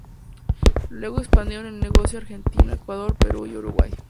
Luego expandieron el negocio a Argentina, Ecuador, Perú y Uruguay.